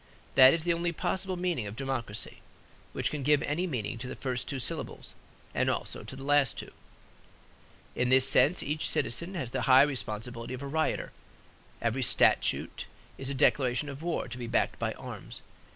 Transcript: That is the only possible meaning of democracy, which can give any meaning to the first two syllables and also to the last two. In this sense each citizen has the high responsibility of a rioter. Every statute is a declaration of war, to be backed by arms.